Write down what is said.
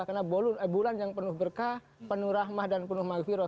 karena bulan yang penuh berkah penuh rahmah dan penuh maghfirah